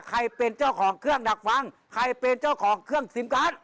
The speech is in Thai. ใครเป็นเจ้าของเครื่องดักฟังใครเป็นเจ้าของเครื่องซิมการ์ด